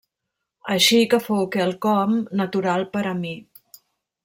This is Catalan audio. Així que fou quelcom natural per a mi.